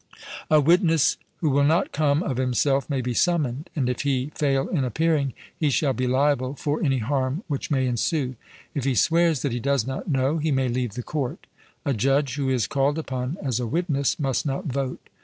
A witness who will not come of himself may be summoned, and if he fail in appearing, he shall be liable for any harm which may ensue: if he swears that he does not know, he may leave the court. A judge who is called upon as a witness must not vote.